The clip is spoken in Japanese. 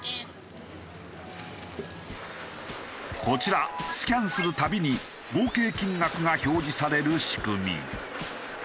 こちらスキャンするたびに合計金額が表示される仕組み。